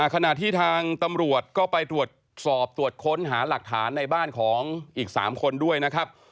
ขณะที่ทางตำรวจก็ไปตรวจสอบตรวจค้นหาหลักฐานในบ้านของอีก๓คนด้วยนะครับ